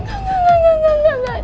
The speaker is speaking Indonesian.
enggak enggak enggak